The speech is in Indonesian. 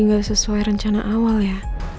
kenapa dia sesuai rencana awal ya